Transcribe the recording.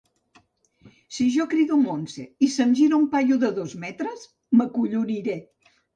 Si jo crido Montse i se'm gira un paio de dos metres m'acolloniré.